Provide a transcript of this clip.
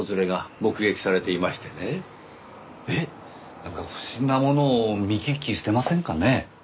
なんか不審なものを見聞きしてませんかね？